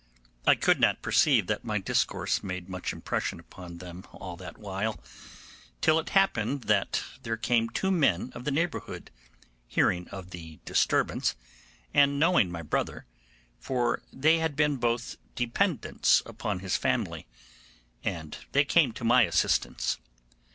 I could not perceive that my discourse made much impression upon them all that while, till it happened that there came two men of the neighbourhood, hearing of the disturbance, and knowing my brother, for they had been both dependents upon his family, and they came to my assistance.